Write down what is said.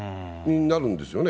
になるんですよね？